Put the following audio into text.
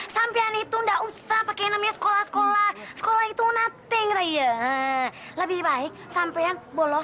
sampai ani tunda usah pakai namanya sekolah sekolah sekolah itu nate ngeri lebih baik sampai yang bolos